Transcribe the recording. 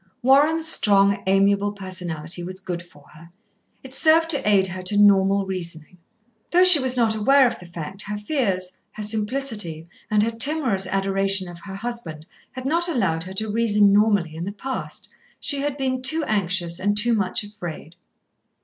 Warren's strong, amiable personality was good for her. It served to aid her to normal reasoning. Though she was not aware of the fact, her fears, her simplicity, and her timorous adoration of her husband had not allowed her to reason normally in the past. She had been too anxious and too much afraid.